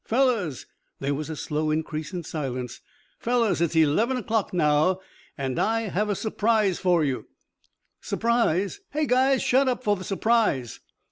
"Fellows!" There was a slow increase in silence. "Fellows! It's eleven o'clock now. And I have a surprise for you." "Surprise! Hey, guys, shut up for the surprise!"